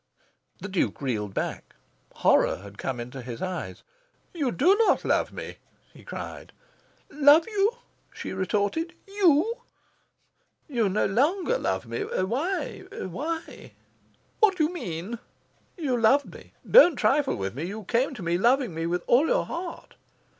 The Duke reeled back. Horror had come into his eyes. "You do not love me!" he cried. "LOVE you?" she retorted. "YOU?" "You no longer love me. Why? Why?" "What do you mean?" "You loved me. Don't trifle with me. You came to me loving me with all your heart."